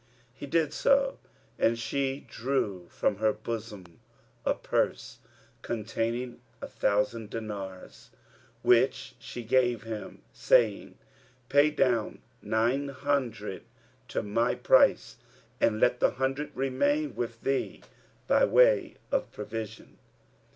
He did so and she drew from her bosom a purse containing a thousand dinars, which she gave him, saying, "Pay down nine hundred to my price and let the hundred remain with thee by way of provision."